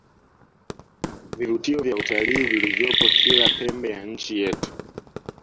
vivutio vya utalii vilivyopo kila pembe ya nchi yetu